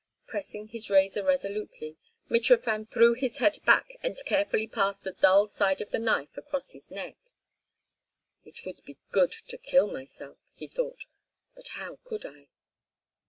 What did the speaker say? Pressing his razor resolutely, Mitrofan threw his head back and carefully passed the dull side of the knife across his neck. "It would be good to kill myself," he thought, "but how could I?"